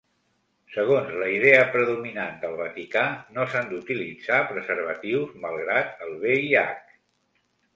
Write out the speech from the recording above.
Segons la idea predominant del Vaticà, no s'han d'utilitzar preservatius malgrat el VIH.